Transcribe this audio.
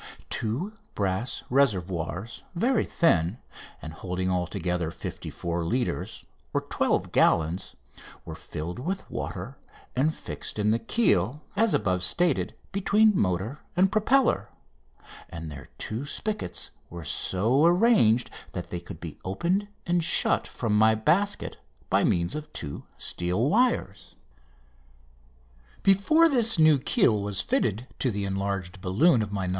Two brass reservoirs, very thin, and holding altogether 54 litres (12 gallons), were filled with water and fixed in the keel, as above stated, between motor and propeller, and their two spigots were so arranged that they could be opened and shut from my basket by means of two steel wires. [Illustration: Fig. 9] Before this new keel was fitted to the enlarged balloon of my "No.